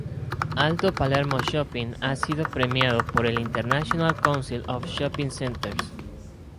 Alto Palermo Shopping ha sido premiado por el International Council of Shopping Centers.